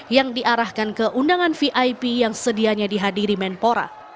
yang diarahkan ke undangan vip yang sedianya dihadiri menpora